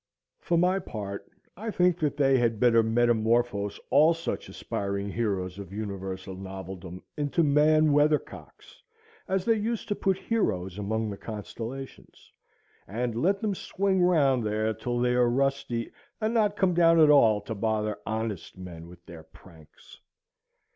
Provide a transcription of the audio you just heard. For my part, I think that they had better metamorphose all such aspiring heroes of universal noveldom into man weathercocks, as they used to put heroes among the constellations, and let them swing round there till they are rusty, and not come down at all to bother honest men with their pranks.